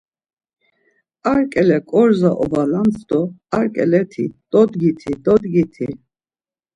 Ar ǩele ǩorza ovalams do ar ǩeleti, Dodgiti, dodgiti.